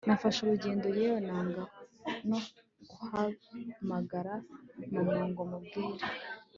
Nafashe urugendo yewe nanga no guhamagara mama ngo mubwire